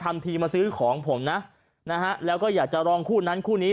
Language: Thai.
ทำทีมาซื้อของผมนะนะฮะแล้วก็อยากจะรองคู่นั้นคู่นี้